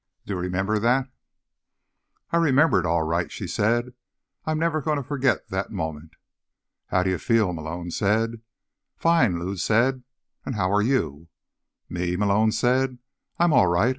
Do you remember that?" "I remember it, all right," she said. "I'm never going to forget that moment." "How do you feel?" Malone said. "Fine," Lou said. "And how are you?" "Me?" Malone said. "I'm all right.